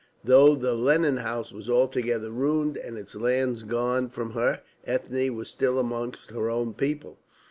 Though the Lennon House was altogether ruined, and its lands gone from her, Ethne was still amongst her own people.